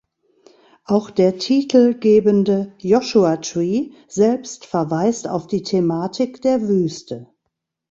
Auch der titelgebende Joshua Tree selbst verweist auf die Thematik der Wüste.